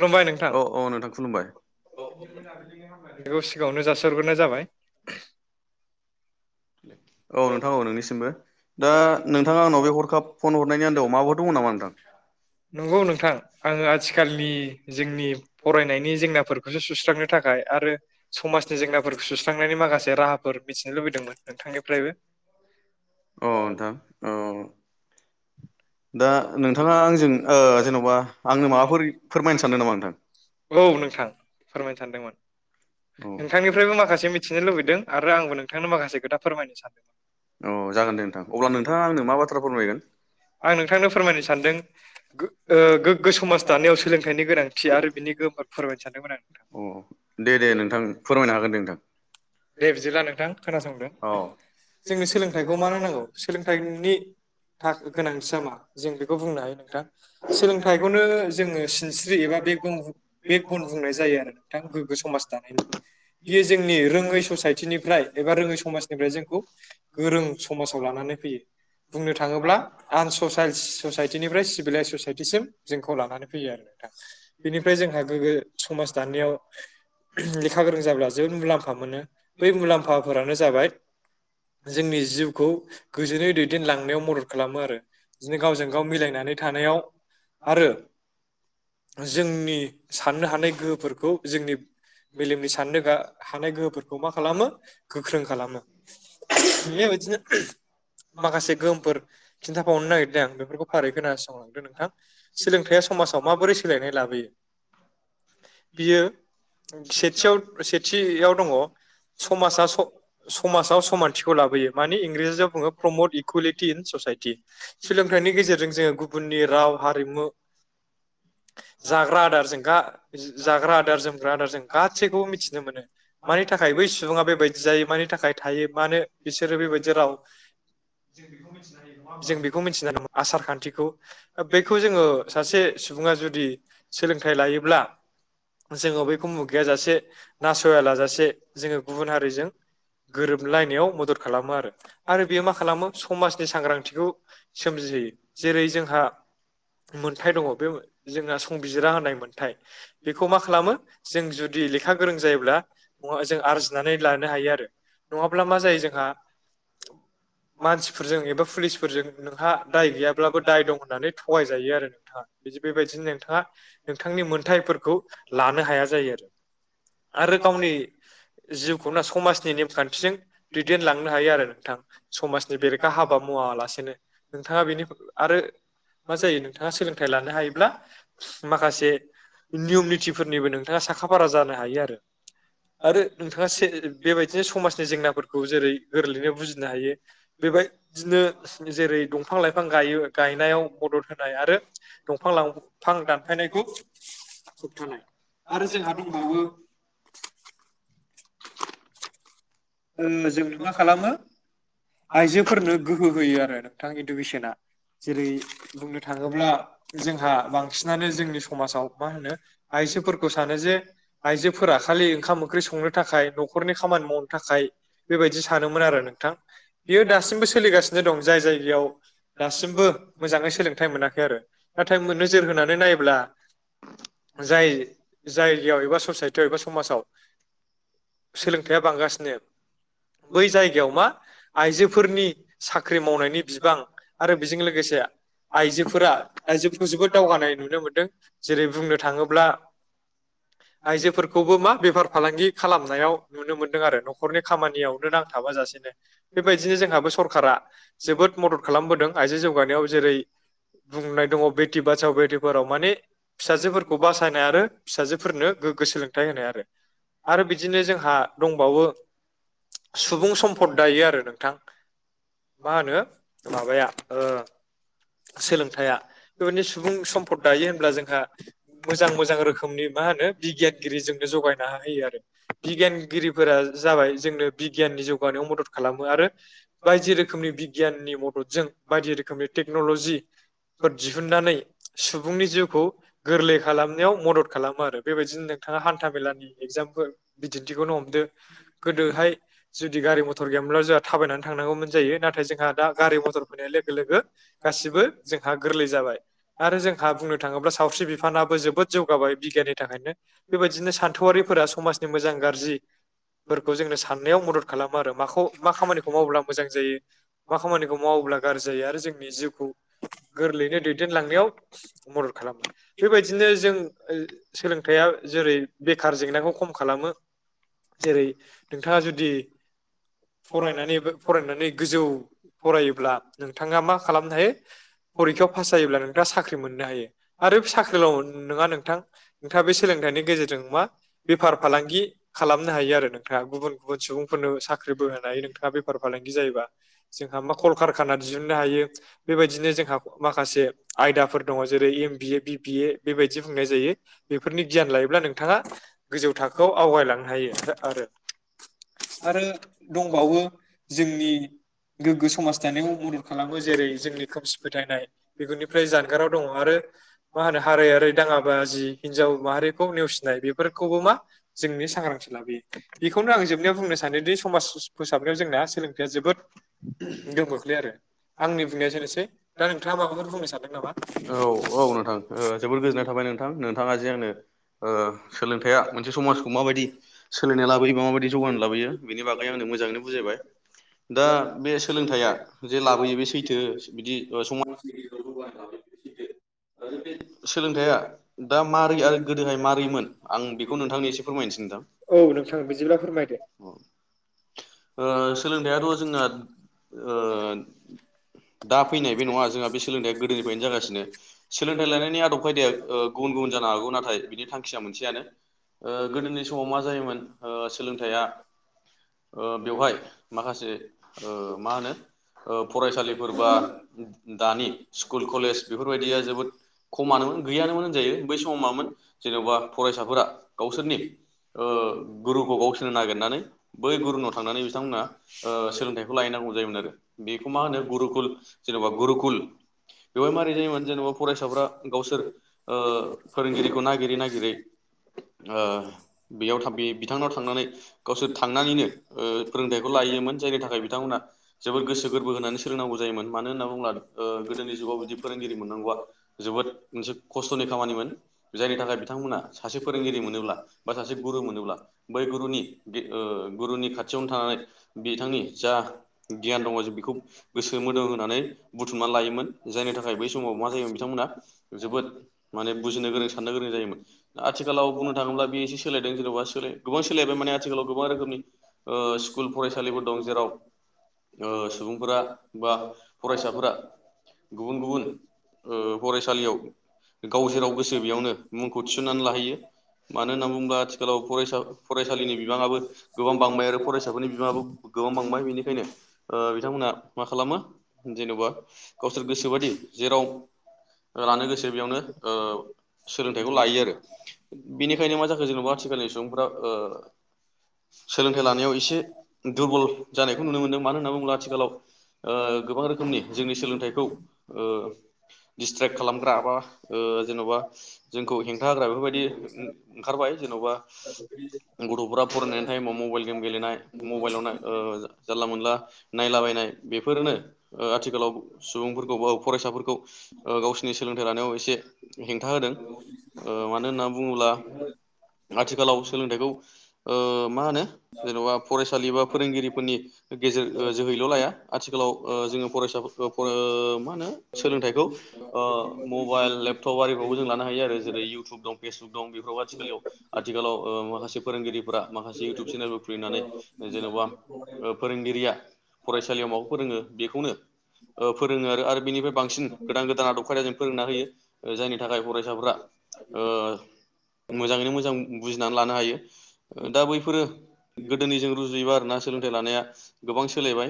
खुलुमबाय नोंथां बेखौ सिगाङावनो जासिहरग्रोनाय जाबाय औ नोंथां औ नोंनिसिमबो दा नोंथाङा आंनाव बे हरखाब फन हरनायनि आन्दोआव माबाफोर दङ नामा नोंथां नंगौ नोंथां आङो आथिखालनि जोंनि फरायनायनि जेंनाफोरखौसो सुस्रांनो थाखाय आरो समाजनि जेंनाफोरखौ सुस्रांनायनि माखासे राहाफोर मिथिनो लुबैदोंमोन। नोंथांनिफ्रायबो। अ नोंथां औ। दा नोंथाङा आंजों जेन'बा आंनो माबाफोर फोरमायनो सानदों नामा नोंथां? औ नोंथां फोरमायनो सानदोंमोन। औ नोंथांनिफ्रायबो माखासे मिथिनो लुबैदों आरो आंबो नोंथांनो माखासे खोथा फोरमायनो सानदोंमोन। अ जागोन दे नोंथां अब्ला नोंथाङा आंनो मा बाथ्रा फोरमायगोन? आं नोंथांनो फोरमायनो सानदों गोग्गो समाज दानायाव सोलोंथाइनि गोनांथि आरो बिनि गोहोम फोरमायनो सानदोंमोन आं अ नोंथां। दे बिदिब्ला नोंथां खोनासंदो [unintelligible] अ जोंनो सोलोंथाइखौ मानो नांगौ सोलोंथाइनि गोनांथिया मा जों बेखौ बुंनो हायो नोंथां सोलोंथाइखौनो जोङो सिनस्रि एबा बे बेग बन बुंनाय जायो आरो नोंथां गोग्गो समाज दानायनि बियो जोंनि रोङै ससाइटिनिफ्राय एबा रोङै समाजनिफ्राय जोंखौ गोरों समाजाव लानानै फैयो बुंनो थाङोब्ला आनससाइल ससाइटिनिफ्राय सिभिलाइस ससाइटिसिम जोंखौ लानानै फैयो आरो नोंथां बेनिफ्राय जोंहा गोग्गो समाज दानायनायाव लेखा गोरों जाब्ला जोबोद मुलाम्फा मोनो। बै मुलाम्फाफोरानो जाबाय जोंनि जिउखौ गोजोनै दैदेनलांनायाव मदद खालामो आरो बिदिनो गावजों गाव मिलायनानै थानायाव आरो जोंनि साननो हानाय गोहोफोरखौ जोंनि मेलेमनि साननो गा हानाय गोहोफोरखौ खौ मा खालामो गोख्रों खालामो। बेबायदिनो माखासे गोहोमफोर खिन्थाफावनो नागिरदों आं बेफोरखौ फारियै खोनासंलांदों नोंथां सोलोंथायाइया समाजाव माबोरै सोलायनाय लाबोयो बियो सेथियाव सेथियाव दङ समाजआ स समाजआ स समानथिखौ लाबोयो मानि इंराजिआव बुङो प्रमट इकुवेलिटि इन ससाइटि सोलोंथाइनि गेजेरजों जे गुबुननि राव हारिमु जाग्रा आदारजोंगा जा-जाग्रा आदार जोमग्रा आदार जों गासैखौबो मिथिनो मोनो मा नि थाखाय बै सुबुंङा बेबायदि जायो मानि थाखाय थायो मानो बिसोरो बेबायदि राव जों बेखौ मिथिनो मोनो आसार खान्थिखौ ओ बेखौ जोङो सासे सुबुंङा जोङो जुदि सोलोंथाइ लायोब्ला जोङो बैखौ मुगैयाजासे नासया लाजासे जोङो गुबुन हारिजों गोरोबलायनायाव मदद खालामो आरो आरो बेयो मा खालामो समाजनि सांग्रांथिखौ सोमजिहोयो जेरै जोंहा मोनथाइ दङ बे जोंना संबिजिरा होनाय मोन्थाय बेखौ मा खालामो जों जुदि लेखा गोरों जायोब्ला ओ जों आरजिनानै लानो हायो आरो नङाब्ला मा जायो जोंहा मानसिफोरजों एबा पुलिसफोरजों नोंहा दाय गैयाब्लाबो दाय दं होननानै थगाय जायो आरो नोंथाङा बिदि बेबायदिनो नोंथाङा नोंथांनि मोनथायफोरखौ लानो हाया जायो आरो आरो गावनि जिउखौ ना समाजनि नेमखान्थिजों दैदेनलांनो हायो आरो नोंथां समाजनि बेरेखा हाबा मावालासेनो नोंथाङा बेनि आरो मा जायो नोंथाङा सोलोंथाइ लानो हायो ब्ला माखासे नियम नितिफोरनिबो नोंथाङा साखा फारा जानो हायो आरो आरो नोंथाङा से बेबायदिनो समाजनि जेंनाफोरखौ जेरै गोरलैनो बुजिनो हायो बेबायदिनो जेरै दंफां लाइफां गायो गायनायाव मदद होनाय आरो दं दंफां लांफां दानफायनायखौ होबथानाय आरो जोंहा दंबावो ओं जों मा खालामो आइजोफोरनो गोहो होयो आरो नोंथां इडुकेसना जेरै बुंनो थाङोब्ला जोंहा बांसिनानो जोंनि समाजाव मा होनो आइजोफोरखौ सानो जे आइजोफोरा खालि ओंखाम ओंख्रि संनो थाखाय न'खरनि खामानि मावनो जाय बेबायदि सानोमोन आरो नोंथां बियो दासिमबो सोलिगासिनो दं जाय जायगायाव दासिमबो मोजाङै सोलोंथाइ मोनाखै आरो नाथाय मोननो नोजोर होनानै नायोब्ला जाय जायगायाव एबा ससाइटियाव एबा समाजाव सोलोंथाइआ बांगासिनो नोब बै जायगायाव मा आइजोफोरनि साख्रि मावनायनि बिबां आरो बेजों लोगोसे आइजोफोरा आइजोखो जोबोद दावगानाय नुनो मोनदों जेरै बुंनो थाङोब्ला आइजोफोरखौबो मा बेफार फालांगि खालामनायाव नुनो मोनदों आरो न'ख खरनि खामानियावनो नांथाबा जासेनो बेबायदिनो जोंहाबो सरकारा जोबोद मदद खालामबोदों आइजो जौगानायाव जेरै बुंनाय दङ बेटि बासाव बेटि पाराव माने फिसाजोफोरखौ बासायनाय आरो फिसाजोफोरनो गोग्गो सोलोंथाइ होनाय आरो आरो बिदिनो जोंहा दंबावो सुबुं सम्फद दायो आरो नोंथां मा होनो माबाया ओ सोलोंथाइया बेबायदिनो सुबुं सम्फद दायो होनब्ला जोंहा मोजां मोजां रोखोमनि मा होनो बिगियानगिरिजोंनो जगायना होयो आरो बिगियानगिरिफोरा जाबाय जोंनो बिगियाननि जौगानायाव मदद खालामो आरो बायदि रोखोमनि बिगियाननि मददजों बायदि रोखोमनि टेक्नलजिफोर दिहुनन्नानै सुबुंनि जिउखौ गोरलै खालामनायाव मदद खालामो आरो बेबायदिनो नोंथाङा हान्था मेलानि एगजामपोल बिदिन्थिखौनो हमदो। गोदोहाय जुदि गारि मथर गैयामोनब्ला जोंहा थाबायनानै थांनांगौमोन जायो नाथाय जोंहा दा गारि मथर फैनाय लोगो लोगो गासिबो जोंहा गोरलै जाबाय आरो जोंहा बुंनो थाङोब्ला सावस्रि बिफानाबो जोबोद जौगाबाय बिगियाननि थाखायनो बेबायदिनो सान्थौआरिफोरा समाजनि मोजां गारजि फोरखौ जोंनो साननायाव मदद खालामो आरो माखौ मा खामानिखौ मावोब्ला मोजां जायो मा खामानिखौ मावोब्ला गारजि जायो आरो जोंनि जिउखौ गोरलैयैनो दैदेनलांनायाव मदद खालामो बेबायदिनो जों ओ सोलोंथाइया जेरै बेखार जेंनाखौ खम खालामो। जेरै नोंथाङा जुदि फरायनानैबो फरायनानै गोजौ फरायोब्ला नोंथाङा मा खालामनो हायो फरिखायाव फास जायोब्ला नोंथाङा साख्रि मोननो हायो आरो साख्रिल' नोंङा नोंथां नोंथाङा बे सोलोंथाइनि गेजेरजों मा बेफार फालांगि खालामनो हायो आरो नोंथां गुबुन गुबुन सुबुंफोरनो साख दायो नोंथाङा बेफार फालांगि जायोबा जोंहा मा कलकारखाना दिहुननो हायो बेबायदिनो जोंहा माखासे आयदाफोर दङ जेरै एम बिए बि बि ए बेबायदि बुंनाय जायो बेफोरनि गियान लायोब्ला नोंथाङा गोजौ थाखोआव आवगायलांनो हायो आरो आरो दंबावो जोंनि गोग्गो समाज दानायाव मदद खालामो जेरै जोंनि खोमसि फोथायनाय बेफोरनिफ्राय जानगाराव दङ आरो मा होनो हारै आरै दाङाबाजि हिनजाव माहारिखौ नेवसिनाय बेफोरखौबो मा जोंनि सांग्रां सो लाबोयो बेखौनो आं जोबनायाव बुंनो सानोदि समाज स [inaudible] गोहोम खोख्लैयो आरो आंनि बुंनाया एसेनोसै दा नोंथाङा माबाफोर बुंनो सानदों नामा औ औ नोंथां ओ जोबोद गोजोननाय थाबाय नोंथां नोंथां। ङा जे आंनो ओ सोलोंथाया मोनसे समाजखौ माबायदि सोललिनाय लाबोयोबा माबायदि जगानाय लाबोयो? बेनि बागै नों आंनो मोजाङैनो बुजायबाय। दा बे सोलोंथाइया जे लाबोयो बे सैथो बिदि ओ समा [unintelligible] सोलोंथाइया दा मारै? आरो गोदोहाय मारोरैमोन? आं बेखौ नोंथांनि एसे फोरमायनो सानदों। औ नोंथां बिदिब्ला फोरमायदो। ओ सोलोंथायाइाथ' जोंना ओ दा फैनाय बे नङा, जोंहा बे सोलोंथाइया गोदोनिफ्रायनो जागासिनो। सोंलोंथ थाय लानायनि आदब खायदाया ओ गुबुन गुबुन जानो हागौ नाथाय बिनि थांखिया मोनसेयानो। ओ गोदोनि समाव मा जायोमोन ओ सोलोंथाइया ओ बेवहाय, माखासे ओ मा होनो? फरायसालिफोर बा दानि स्कुल कलेज बेफोरबायदिया जोबोद खमानोमोन गैयानोमोन होनजायो, बै समाव मामोन? जेन'बा फरायसाफोरा गावसोरनि ओ गुरुखौ गावसोरनो नागिरनानै बै गुरुनाव थांनानै बिथांमोना ओ सोलोंथाइखौ लायैनांगौ जायोमोन आरो। बेखौ मा होनो गुरुकुल जेन'बा गुरुकुल, बेवहाय माबोरै जायोमोन? जेन'बा फरायसाफोरा गावसोर ओ फोरोंगिरिखौ नागिरै नागिरै, ओ बेयाव थाब बे बिथांनाव थांनानै गावसोर थांनानैनो ओ फोरोंथाइखौ लायोमोन। जायनि थाखाय बिथांमोना जोबोद गोसो गोरबो होनानै सोलोंनांगौ जायोमोन। मानो होनना बुङोब्ला? ओ गोदोनि जुगाव बिदि फोरोंगिरि मोननांगौआ जोबोद मोनसे खस्थ'नि खामानिमोन। जायनि थाखाय बिथांमोना सासे फोरोंगिरि मोनोब्ला, बा सासे गुरु मोनोब्ला, बै गुरुनि ओ गुरुनि खाथियावनो थानानै बिथांनि जा गियान दङ जों बेखौ गोसो मोदोम होननानै बुथुमनानै लायोमोन। जायनि थाखाय बै समाव मा जायोमोन बिथांमोना जोबोद माने बुजिनो गोरों साननो गोरों जायोमोन। आथिखालाव बुंनो थाङोब्ला बे एसे सोलायदों जेन'बा सोल गोबां सोलायबाय माने आथिखालाव गोबां रोखोमनि ओ स्कुल फरायसालिफोर दं, जेराव ओ सुबुंफोरा बा फरायसाफोरा गुबुन गुबुन ओ फरायसालियाव गाव जेराव गोसो बेयावनो मुंखौ थिसननानै लाहैयो। मानो होनना बुङोब्ला आथिखालाव फरायसा फरायसालिनि बिबाङाबो गोबां बांबाय, आरो फरायसाफोरनि बिबाङाबो गोबां बांबाय, बेनिखायनो ओ बिथांमोनहा मा खालामो जेन'बा गावसोर गोसोबायिदि जेराव लानो गोसो बेयावनो ओ सोलोंथाइखौ लायो, आरो बेनिखायनो मा जाखो जेेनबा आथिखालनि सुबुंफ्रा, ओ सोलोंथाइ लानायाव एसे दुरबल जानायखौ नुनो मोनदों। मानो होनना बुङोब्ला? आथिखालाव ओ गोबां रोखोमनि जोंनि सोलोंथाइखौ ओ दिसट्रेक्ट खालामग्रा, बा ओ जेन'बा जोंखौ हेंथा होग्रा बेफोरबायदि बिदि ओंखारबाय जेन'बा गथ'फोरा फरायनायनि टाइमाव मबाइल गेम गेलेनाय। मबाइलाव नाय ओ जानला मोनला नायलाबायनाय, बेफोरनो आथिखाला ओ सुबुंफोरखौ ब फरायसाफोरखौ ओ गावसिनि सोलोंथाइ लानायाव एसे, हेंथा होदों। ओ मानो होनना बुङोब्ला आथिखालाव सोलोंथाइखौ ओ मा होनो? जेन'बा फरायसालिबा फोरोंगिरिफोरनि गेजेर ओ जोहैल' लाया आथिखालाव। ओ जोङो फरायसाफोरखौ फो मा मा होनो सोलोंथाइखौ। ओ मबाइल लेपटप आरिफ्रावबो जों लानो हायो आरो जेरै इउटुब दं फेसबुक दं बेफोरावबो आथिखालियाव आथिखालाव ओ माखासे फोरोंगिरि फोरा माखासे इउटुब चेनेलफोर खुलिनानै जेन'बा फोरोंगिरिया। फरायसालियाव माबाखौ फोरोङो, बेखौनो फोरोङो आरो आरो बेनिफ्राय बांसिन गोदान गोदान दाना आदब खायदाजों फोरोंना होयो, जायनि थाखाय फरायसाफ्रा मोजाङैनो मोजां बुजिनानै लानो हायो। दा बैफोरो गोदोनिजों रूजुयोब्ला। सोलोंथाइ लानाया गोबां सोलायबाय,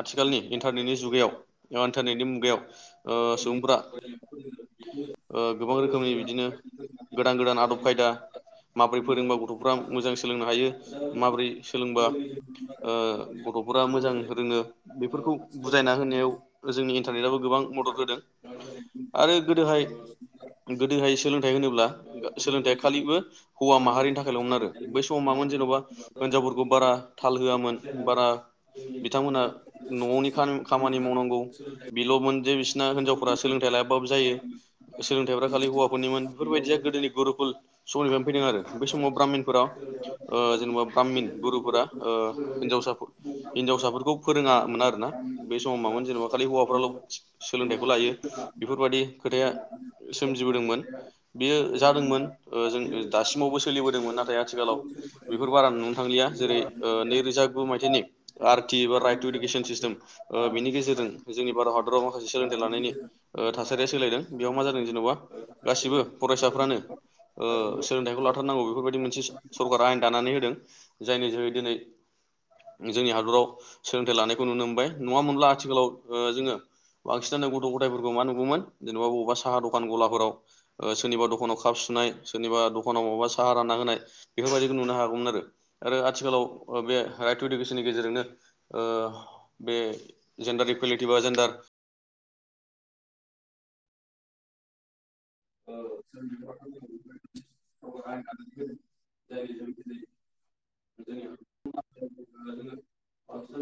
आथिखालनि इन्टारनेटनि जुगायाव। [unintelligible] मुगायाव अ सुबुंफ्रा गोबां रोखोमनि बिदिनो गोदान गोदान आदब खायदा। माबोरै फोरोंबा गथ'फ्रा मोजां सोलोंनो हायो माबोरै सोलोंबा गथ'फोरा मोजां रोङो, बे फोरखौ बुजायना होनायाव जोंनि [unintelligible] गोबां मदद होदों आरो गोदोहाय गोदोहाय सोलोंथाइ होनोब्ला सोलोंथाइया खालिबो हौवा माहारिनि थाखायल'मोन आरो बै समाव मामोन जेन'बा हिनजावफोरखौ बारा थाल होआमोन बारा बिथांमोना न'नि खामानि मावनांगौ बेल'मोन जे बि सिना हिनजावफोरा सोलोंथाइ लायाबाबो जायो सोलोंथाइफ्रा खालि हौवाफोरनिमोन बेफोरबायदिया गोदोनि गुरुखुल समनिफ्रायनो फैदों आरो बे समाव ब्राह्मिनफोराव जेन'बा ब्राह्मिन गुरुफोरा हिनजावसा हिनजावसाफोरखौ फोरोङामोना आरोना बे समाव मामोन जेनेबा खालि हौवाफ्राल' सोलोंथाइखौ लायो बेफोरबादि खोथाया सोमजिबोदोंमोन बेयो जादोंमोन जों दासिमावबो सोलिबोदोंमोन नाथाय आथिखालाव बेफोर बारा नुनो थांलिया जेरै नैरोजा गु मायथाइनि आर टि एबा राइट टु इडुकेसन सिस्टेम बिनि गेजेरजों जोंनि भारत हादराव माखासे सोलोंथाइ लानायनि थासारिया सोलायदों बेयाव मा जादों जेन'बा गासिबो फरायसाफ्रानो सोलोंथाइखौ लाथारनांगौ बेफोरबायदि मोनसे सरकारा आयेन दानानै होदों जायनि जोहै दिनै जोंनि हादराव सोलोंथाइ लानायखौ नुनो मोनबाय नङामोनब्ला आथिखालाव ओ जोङो बांसिनानो गथ' गथायफोरखौ मा नुगौमोन जेनेबा बबेवबा साहा दखान गलाफोराव सोरनिबा दखानाव काप सुनाय सोरनिबा दखानाव बबबा साहा राना होनाय बेफोरबायदिखौ नुनो हागौमोन आरो आथिखालाव बे राइट टु इडुकेसननि गेजेरजोंनो ओ बे जेन्डार इकुवेलिटि बा जेन्डार [unintelligible]